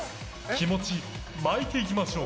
気持ち巻いていきましょう。